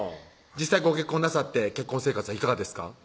実際ご結婚なさって結婚生活はいかがですか？